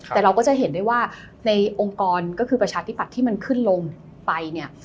แต่เราก็จะเห็นได้ว่าในองค์กรก็คือประชาธิปัตย์ที่มันขึ้นลงไปเนี่ย